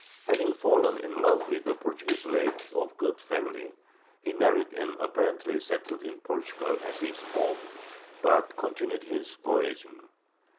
Having fallen in love with a Portuguese lady of good family, he married and apparently settled in Portugal as his home, but continued his voyaging.